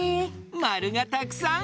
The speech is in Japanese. まるがたくさん！